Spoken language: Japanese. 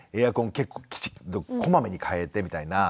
結構きちっとこまめに変えてみたいな。